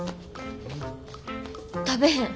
食べへん。